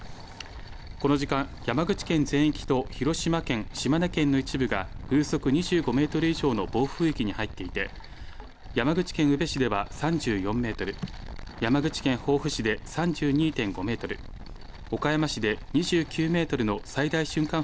この時間、山口県全域と広島県、島根県の一部が風速２５メートル以上の暴風域に入っていて、山口県宇部市では３４メートル、山口県防府市で３２．５メートル、岡山市で２９メートルの最大瞬間